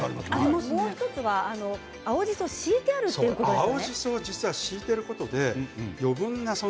もう１つは青じそを敷いてあるということですね。